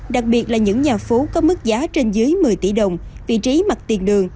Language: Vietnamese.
đặc biệt là những nhà phố có mức giá trên dưới một mươi tỷ đồng vị trí mặt tiền đường